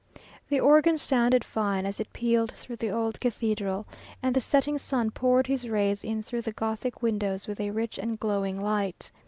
The organ sounded fine as it pealed through the old cathedral, and the setting sun poured his rays in through the Gothic windows with a rich and glowing light.